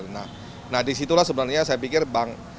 nah disitulah sebenarnya saya pikir bank